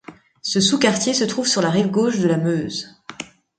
Ce sous-quartier se trouve sur la rive gauche de la Meuse.